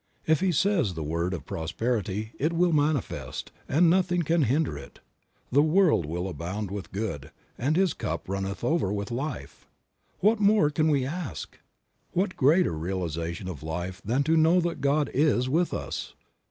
If he says the word of prosperity it will manifest, and nothing can hinder it; the world will abound with good, and his cup run over with life. What more can we ask! What greater realization of life than to know that God is with us!